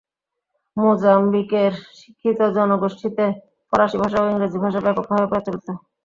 মোজাম্বিকের শিক্ষিত জনগোষ্ঠীতে ফরাসি ভাষা ও ইংরেজি ভাষা ব্যাপকভাবে প্রচলিত।